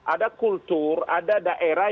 ada kultur ada daerah